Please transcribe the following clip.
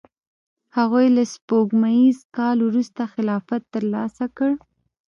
هغوی له سپوږمیز کال وروسته خلافت ترلاسه کړ.